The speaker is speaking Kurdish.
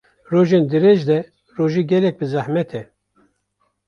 rojên dirêj de rojî gelek bi zehmet e